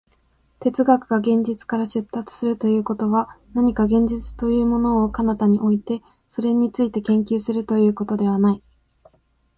哲学が現実から出立するということは、何か現実というものを彼方に置いて、それについて研究するということではない。